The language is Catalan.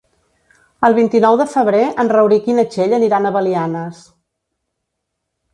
El vint-i-nou de febrer en Rauric i na Txell aniran a Belianes.